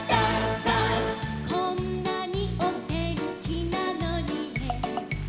「こんなにおてんきなのにね」